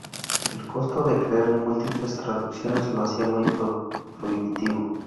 El costo de crear múltiples traducciones lo hacía muy prohibitivo.